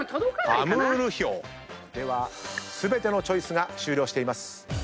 では全てのチョイスが終了しています。